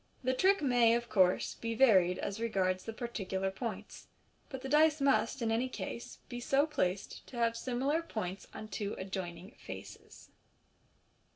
The trick may, of course, be varied as regards the particular points, but the dice must, in any case, be so placed as to have similar points on two adjoining faces.